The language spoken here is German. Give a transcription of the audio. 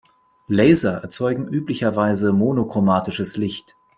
Laser erzeugen üblicherweise monochromatisches Licht.